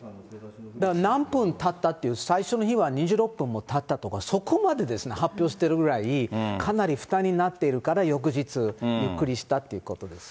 だから何分立ったという、最初の日は２６分も立ったとか、そこまで発表してるぐらい、かなり負担になっているから翌日、ゆっくりしたっていうことです。